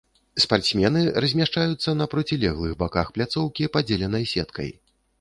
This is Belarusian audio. Спартсмены размяшчаюцца на процілеглых баках пляцоўкі, падзеленай сеткай.